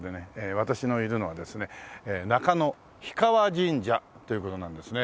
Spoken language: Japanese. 私のいるのはですね中野氷川神社という事なんですね。